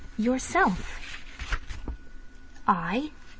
"Yourself." "I!